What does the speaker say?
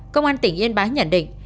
công an tỉnh yên bái nhận định